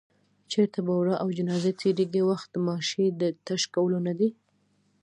چېرته به ورا او جنازه تېرېږي، وخت د ماشې د تش کولو نه دی